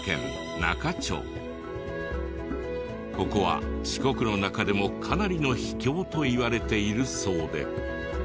ここは四国の中でもかなりの秘境といわれているそうで。